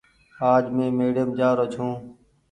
آج مين ميڙيم جآ رو ڇو۔